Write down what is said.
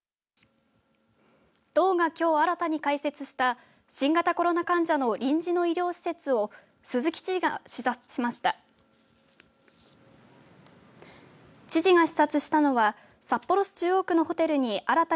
道がきょう新たに開設した新型コロナ患者の臨時の医療施設を鈴木知事が視察しました。